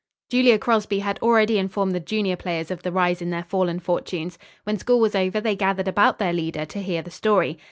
Julia Crosby had already informed the junior players of the rise in their fallen fortunes. When school was over they gathered about their leader to hear the story.